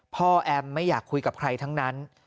แอมไม่อยากคุยกับใครทั้งนั้น